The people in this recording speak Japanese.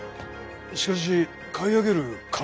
しかし買い上げる金は。